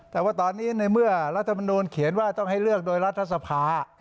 แต่ว่าตอนนี้ในเมื่อรัฐมนูลเขียนว่าต้องให้เลือกโดยรัฐสภา